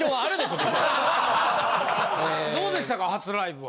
どうでしたか初ライブは。